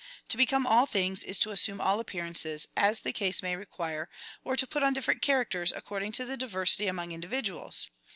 To become all things is to assume all appearances, as the case may re quire, or to put on different characters, according to the diversity among individuals.